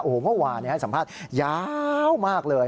โอ้โหเมื่อวานให้สัมภาษณ์ยาวมากเลย